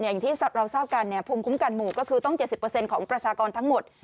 อย่างที่เราเศร้ากันเนี่ยภูมิคุ้มกันหมู่ก็คือต้อง๗๐เปอร์เซ็นต์ของประชากรทั้งหมด